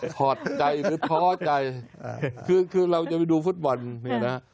ถอดใจหรือท้อใจคือคือเราจะไปดูฟุตบอลนี่นะ